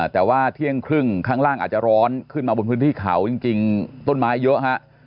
แต่ว่าเที่ยงครึ่งข้างล่างอาจจะร้อนขึ้นมาบนพื้นที่เขาจริงต้นไม้เยอะฮะ